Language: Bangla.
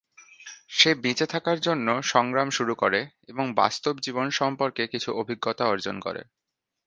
সে বেঁচে থাকার জন্য সংগ্রাম শুরু করে এবং বাস্তব জীবন সম্পর্কে কিছু অভিজ্ঞতা অর্জন করে।